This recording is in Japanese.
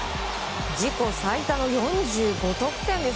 自己最多の４５得点です。